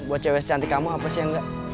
buat cewek secantik kamu apa sih enggak